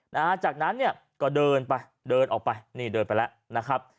นะฮะจากนั้นเนี่ยก็เดินไปเดินออกไปนี่เดินไปแล้วนะครับ